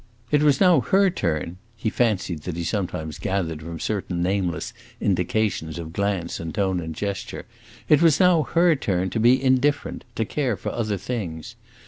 It was now her turn he fancied that he sometimes gathered from certain nameless indications of glance and tone and gesture it was now her turn to be indifferent, to care for other things.